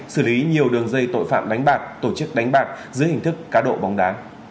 xử lý nhiều đường dây tội phạm đánh bạc tổ chức đánh bạc dưới hình thức cá độ bóng đá